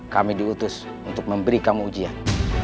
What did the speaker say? kami diutus untuk memberi kamu ujian